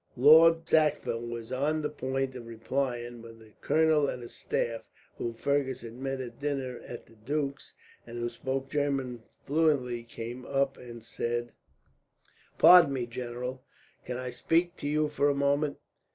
Lord Sackville was on the point of replying, when the colonel of his staff, whom Fergus had met at dinner at the duke's, and who spoke German fluently, came up and said: "Pardon me, general. Can I speak to you for a moment?"